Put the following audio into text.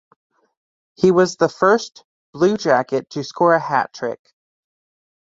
He was the first Blue Jacket to score a hat trick.